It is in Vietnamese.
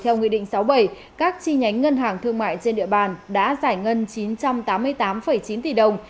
theo nghị định sáu mươi bảy các chi nhánh ngân hàng thương mại trên địa bàn đã giải ngân chín trăm tám mươi tám chín tỷ đồng